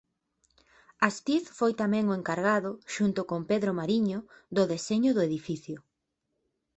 Astiz foi tamén o encargado, xunto con Pedro Mariño, do deseño do edificio.